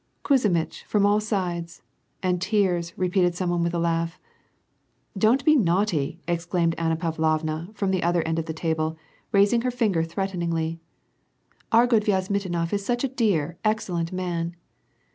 "* Kuzmitch — from all sides '— and tears," repeated some one with a laugh. "Don't be naughty," exclaimed Anna Pavlovna, from the other end of the table, and raising her finger threateningly, "Our good Viazmitinof is such a dear, excellent man."